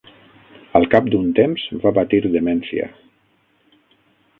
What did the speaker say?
Al cap d'un temps va patir demència.